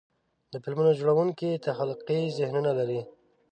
د فلمونو جوړونکي تخلیقي ذهنونه لري.